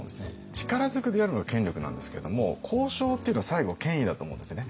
力ずくでやるのが権力なんですけれども交渉っていうのは最後権威だと思うんですね。